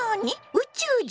宇宙人？